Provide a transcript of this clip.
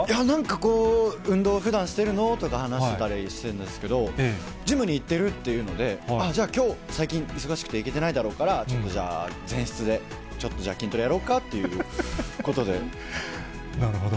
なんかこう、運動、ふだんしてるの？とか話してたりとかしてるんですけど、ジムに行ってるっていうので、ああ、じゃあきょう、最近、忙しくて行けてないだろうから、ちょっとじゃあ、前室で、ちょっとじゃあ筋トレやろうかということで。